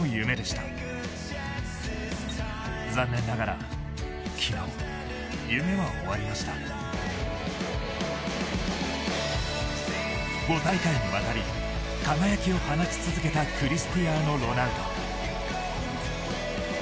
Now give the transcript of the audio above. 試合翌日、彼のＳＮＳには。５大会にわたり輝きを放ち続けたクリスティアーノロナウド。